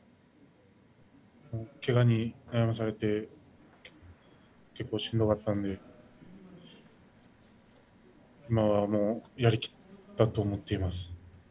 けがに悩まされて結構、しんどかったので今はもうやりきったと思っています。